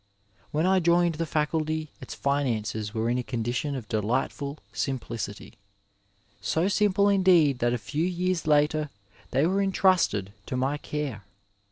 When I joined the faculty its finances were in a condition of delightful simplicity, so simple indeed that a few years later they were intrusted to my care.